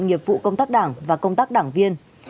nghiệp vụ công tác đảng và công tác đảng viên